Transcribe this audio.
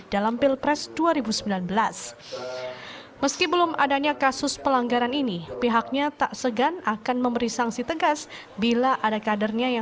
diusung partai golongan karya